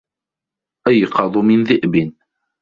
أيقظ من ذئب